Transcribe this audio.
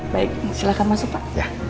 baik silahkan masuk pak